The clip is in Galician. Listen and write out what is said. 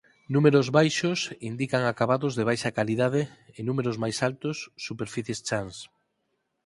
Números baixos indican acabados de baixa calidade e números máis altos superficies chans.